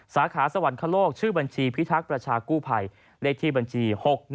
สาขาสวรรคโลกชื่อบัญชีพิทักษ์ประชากู้ภัยเลขที่บัญชี๖๑